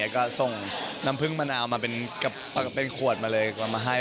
ก็ส่งน้ำพึ่งมะนาวมาเป็นขวดมาเลยมาให้